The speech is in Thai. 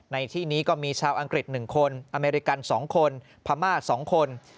ในที่นี้ก็มีชาวอังกฤษ๑คนอเมริกัน๒คนพม่า๒คน